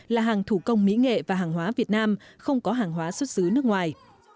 là hàng thủ công mỹ nghệ và hàng hóa việt nam không có hàng hóa xuất xứ nước ngoài